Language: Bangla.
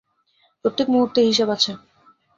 প্রত্যেক মুহূর্তের হিসেব আছে।